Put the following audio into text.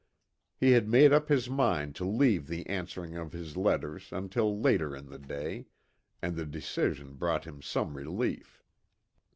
He had made up his mind to leave the answering of his letters until later in the day, and the decision brought him some relief.